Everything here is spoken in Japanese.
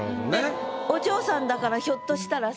お嬢さんだからひょっとしたらさ